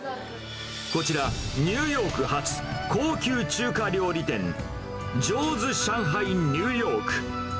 こちら、ニューヨーク発高級中華料理店、ジョーズシャンハイニューヨーク。